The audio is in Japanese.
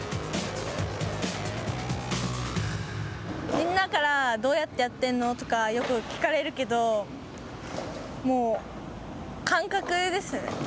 みんなからどうやってやっているのとかよく聞かれるけどもう感覚ですね。